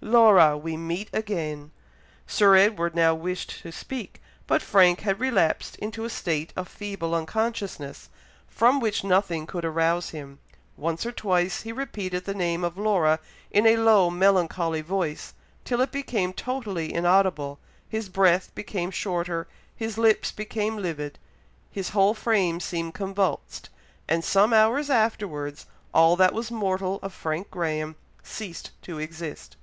"Laura! we meet again." Sir Edward now wished to speak, but Frank had relapsed into a state of feeble unconsciousness, from which nothing could arouse him; once or twice he repeated the name of Laura in a low melancholy voice, till it became totally inaudible his breath became shorter his lips became livid his whole frame seemed convulsed and some hours afterwards, all that was mortal of Frank Graham ceased to exist.